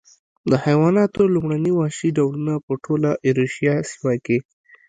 د حیواناتو لومړني وحشي ډولونه په ټوله ایرویشیا سیمه کې و.